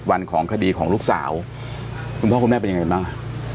วันของคดีของลูกสาวคุณพ่อคุณแม่เป็นยังไงบ้าง